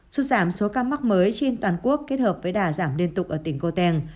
xuất giảm số ca mắc mới trên toàn quốc kết hợp với đà giảm liên tục ở tỉnh goten